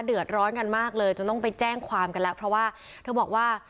เดือดร้อนกันมากเลยจนต้องไปแจ้งความกันแล้วเพราะว่าเธอบอกว่า